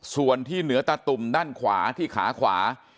ส่วนที่เหนือตาตุ่มด้านขวาที่ขาขวา